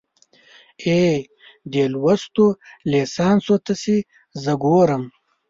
اې، دې لوستو ليسانسو ته چې زه ګورم